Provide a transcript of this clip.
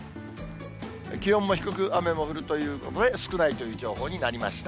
気温も低く、雨も降るということで、少ないという情報になりました。